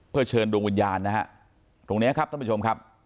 เพื่อเชิญดวงวิญญาณนะฮะตรงนี้ครับท่านผู้ชมครับ